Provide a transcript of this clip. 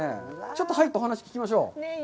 ちょっと入ってお話を聞きましょう。